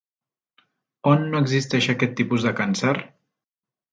On no existeix aquest tipus de càncer?